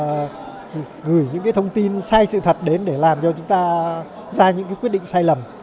hay là thậm chí là lại còn bị gửi những cái thông tin sai sự thật đến để làm cho chúng ta ra những cái quyết định sai lầm